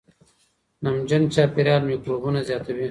نمجن چاپېریال میکروبونه زیاتوي.